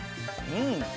うん。